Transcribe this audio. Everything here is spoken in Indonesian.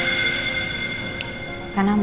lansing ke sana dulu dia